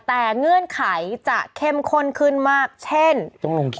แต่เงื่อนไขจะเข้มข้นขึ้นมากเช่นต้องลงคิว